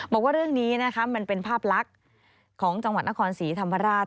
บอกว่าเรื่องนี้นะคะมันเป็นภาพลักษณ์ของจังหวัดนครศรีธรรมราช